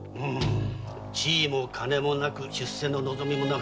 地位も金もなく出世の望みもなかった。